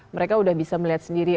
mereka sudah bisa melihat sendiri